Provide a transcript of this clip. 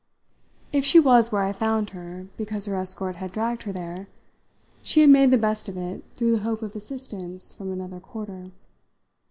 If she was where I found her because her escort had dragged her there, she had made the best of it through the hope of assistance from another quarter.